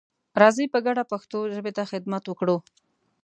راځئ په ګډه پښتو ژبې ته خدمت وکړو.